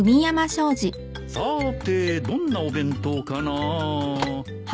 さーてどんなお弁当かな？